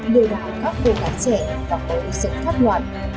lưu đảo các cô gái trẻ và bảo vệ sự thất loạn